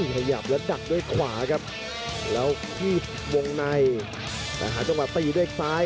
ขยับแล้วดักด้วยขวาครับแล้วขีดวงในแต่หาจังหวะตีด้วยซ้าย